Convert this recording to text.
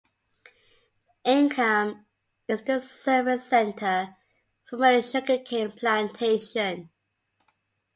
Ingham is the service centre for many sugarcane plantations.